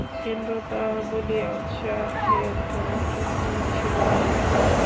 কিন্তু তাহা বলিয়া উৎসাহের কোনো ত্রুটি ছিল না।